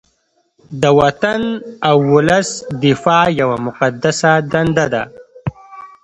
د وطن او ولس دفاع یوه مقدسه دنده ده